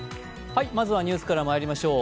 まずはニュースからまいりましょう。